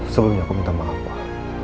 sebelumnya aku minta maaf pak